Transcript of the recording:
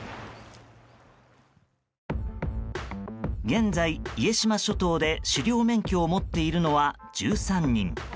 現在、家島諸島で狩猟免許を持っているのは１３人。